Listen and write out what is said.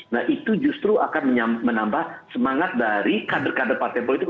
nah itu justru akan menambah semangat dari kader kader partai politik